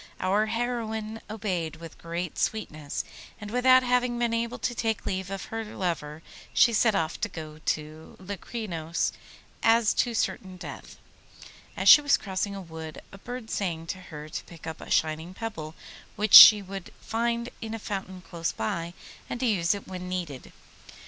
Our heroine obeyed with great sweetness, and without having been able to take leave of her lover she set off to go to Locrinos as to certain death. As she was crossing a wood a bird sang to her to pick up a shining pebble which she would find in a fountain close by, and to use it when needed.